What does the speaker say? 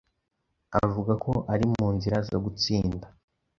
avuga ko ari mu nzira zo gutsinda,